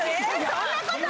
そんなことない！